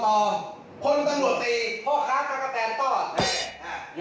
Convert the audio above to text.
เฮ้ยกูเป็นลูกคนตังบวชเอก